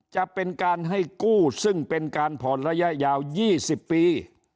จะเป็นการให้กู้ซึ่งเป็นการผ่อนระยะยาว๒๐ปี